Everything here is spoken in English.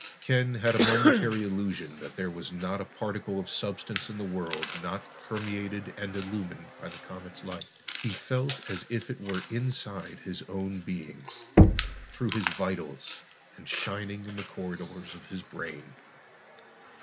Ken had a momentary illusion that there was not a particle of substance in the world not permeated and illumined by the comet's light. He felt as if it were inside his own being, through his vitals, and shining in the corridors of his brain.